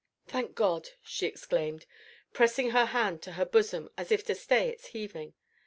"Thank God!" she exclaimed, pressing her hand to her bosom as if to stay its heaving.